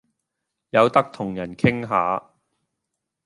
有得同人傾下